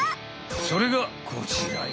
それがこちらよ。